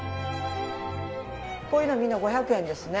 こういうのはみんな５００円ですね。